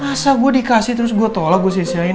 masa gue dikasih terus gue tolak gue sisih sisihin